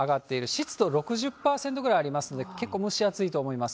湿度６０％ぐらいありますので、結構蒸し暑いと思います。